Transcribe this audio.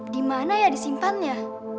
dimana ya disimpannya